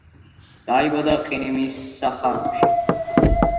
დაიბადა ყირიმის სახანოში.